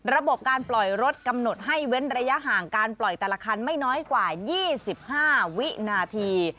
ระบบการปล่อยรถกำหนดให้เว้นระยะห่างการปล่อยแต่ละคันไม่น้อยกว่า๒๕วินาที